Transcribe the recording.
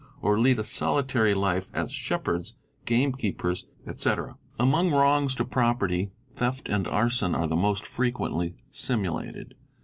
"™, or lead a solitary life, as shepherds, gamekeepers, &c. Among wrongs to property, theft and arson are the most frequently sunulated.